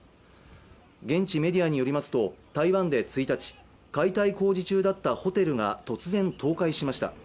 現地メディアによりますと台湾で１日解体工事中だったホテルが突然倒壊しました